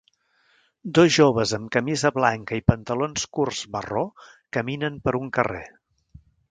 Dos joves amb camisa blanca i pantalons curts marró caminen per un carrer.